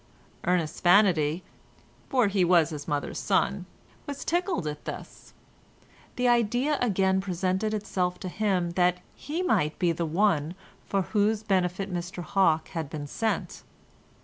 Ernest's vanity—for he was his mother's son—was tickled at this; the idea again presented itself to him that he might be the one for whose benefit Mr Hawke had been sent.